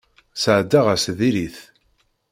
Sɛeddaɣ ass diri-t.